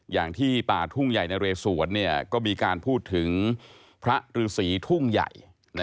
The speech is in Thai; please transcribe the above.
อย่างที่ป่าทุ่งใหญ่นะเรสวนก็มีการพูดถึงพระฤษีทุ่งใหญ่